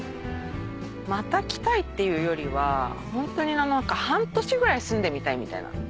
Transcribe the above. また来たいっていうよりは半年ぐらい住んでみたいみたいな。